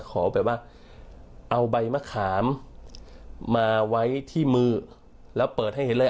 ขอแบบว่าเอาใบมะขามมาไว้ที่มือแล้วเปิดให้เห็นเลย